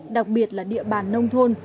đặc biệt là địa bàn nông thôn